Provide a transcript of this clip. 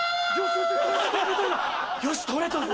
よし取れたぞ！